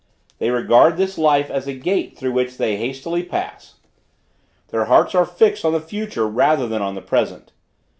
They regard this life as a gate through which they hastily pass. Their hearts are fixed on the future rather than on the present.